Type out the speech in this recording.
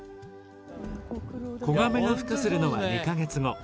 子ガメがふ化するのは２か月後。